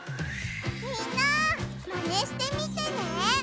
みんなマネしてみてね！